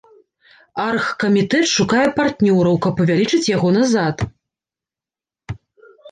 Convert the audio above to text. Аргкамітэт шукае партнёраў, каб павялічыць яго назад.